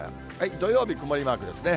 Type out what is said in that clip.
土曜日、曇りマークですね。